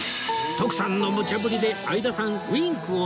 徳さんのむちゃぶりで相田さん Ｗｉｎｋ を熱唱！